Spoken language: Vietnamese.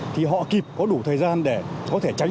thì họ kịp có đủ thời gian để có thể tránh